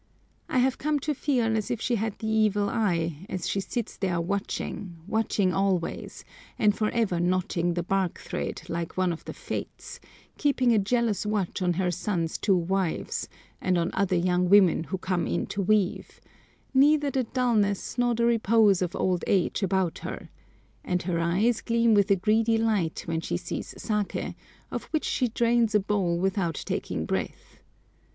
I have come to feel as if she had the evil eye, as she sits there watching, watching always, and for ever knotting the bark thread like one of the Fates, keeping a jealous watch on her son's two wives, and on other young women who come in to weave—neither the dulness nor the repose of old age about her; and her eyes gleam with a greedy light when she sees saké, of which she drains a bowl without taking breath.